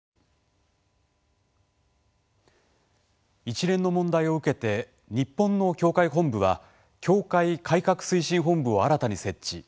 一連の問題を受けて日本の教会本部は教会改革推進本部を新たに設置。